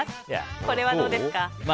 これはどうですか？